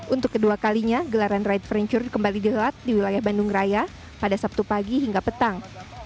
untuk kedua kalinya gelaran ride franchure kembali dihelat di wilayah bandung raya pada sabtu pagi hingga petang